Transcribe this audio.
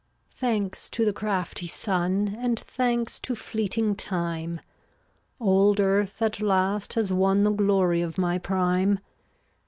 380 Thanks to the crafty Sun, And thanks to fleeting Time, Old earth at last has won The glory of my prime.